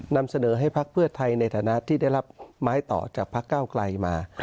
นำเสนอให้พักเพื่อไทยในฐานะที่ได้รับไม้ต่อจากพักเก้าไกลมา